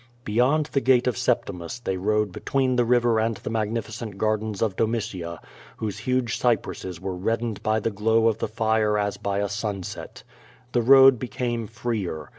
Beyond the Gate of Septimus they rode between the river and the magnificent gardens of Domitia, whose huge cypresses were reddened by the glow of the fire as by a sunset. The road became freer.